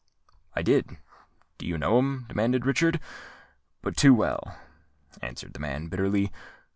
"I did. Do you know him?" demanded Richard. "But too well," answered the man bitterly.